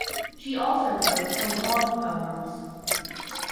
She also wrote some love poems.